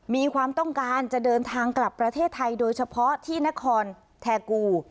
มีความต้องการจะเดินทางกลับประเทศไทยโดยเฉพาะที่นครแทกู